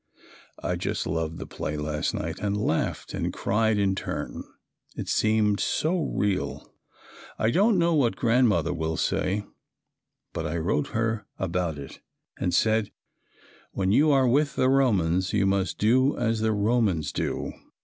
I just loved the play last night and laughed and cried in turn, it seemed so real. I don't know what Grandmother will say, but I wrote her about it and said, "When you are with the Romans, you must do as the Romans do."